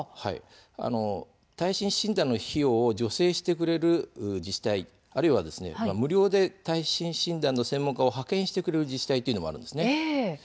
耐震診断の費用を助成してくれる自治体あるいは、無料で耐震診断の専門家を派遣してくれる自治体というのもあるんです。